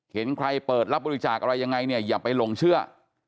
เห็นใครเปิดรับบริจาคอะไรยังไงเนี่ยอย่าไปหลงเชื่อ